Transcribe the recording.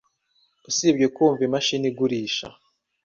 usibye kumva imashini igurisha.